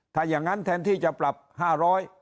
ถ้าอย่างนั้นแทนที่จะปรับ๕๐๐บาท